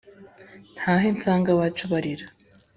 ntahe nsange abacu barira